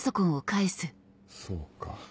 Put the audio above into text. そうか。